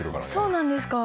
そうなんですか。